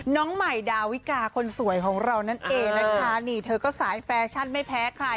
น้องใหม่ดาวิกาคนสวยของเรานั่นเองนะคะนี่เธอก็สายแฟชั่นไม่แพ้ใคร